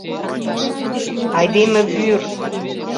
Айдеме вӱр!